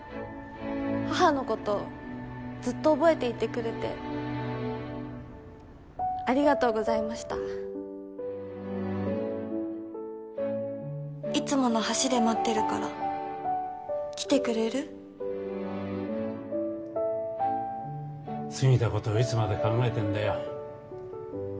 母のことずっと覚えていてくれてありがとうございましたいつもの橋で待ってるか過ぎたこといつまで考えてんだよ。